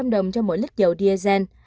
một năm trăm linh đồng cho mỗi lít dầu diazen